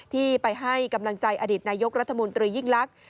ที่ไปให้กำลังใจอดีตนายกรัฐมนตรียิ่งลักษณ